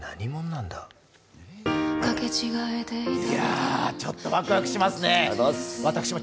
いや、ちょっとワクワクしますね。